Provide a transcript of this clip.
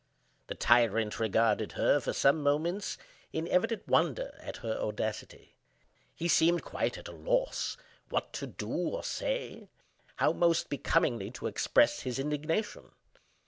The tyrant regarded her, for some moments, in evident wonder at her audacity. He seemed quite at a loss what to do or say—how most becomingly to express his indignation.